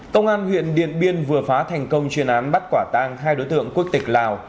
công an huyện điện biên vừa phá thành công chuyên án bắt quả tang hai đối tượng quốc tịch lào